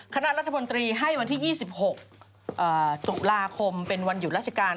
คณะรัฐมนตรีให้วันที่๒๖ตุลาคมเป็นวันหยุดราชการ